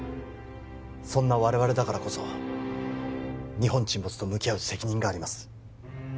そんな我々だからこそ日本沈没と向き合う責任があります